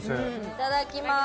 いただきまーす。